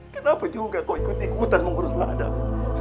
kenapa juga kok ikut ikutan mengurus ladang